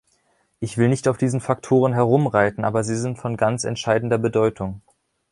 Ich will nicht auf diesen Faktoren herumreiten, aber sie sind von ganz entscheidender Bedeutung.